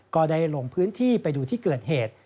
ก็ได้ลงพื้นที่ไปดูที่เกิดเหตุ